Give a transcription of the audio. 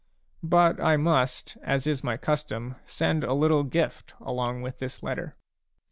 But I must, as is my custom, send a little giffc along with this letter.